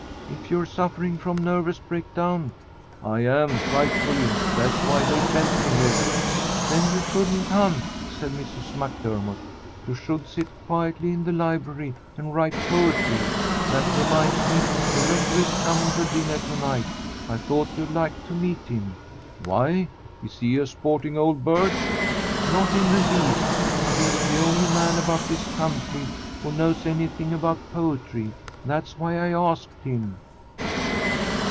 "If you're suffering from nervous breakdown " "I am. Frightfully. That's why they sent me here." "Then you shouldn't hunt," said Mrs. MacDermott. "You should sit quietly in the library and write poetry. That reminds me, the rector is coming to dinner to night. I thought you'd like to meet him." "Why? Is he a sporting old bird?" "Not in the least; but he's the only man about this country who knows anything about poetry. That's why I asked him."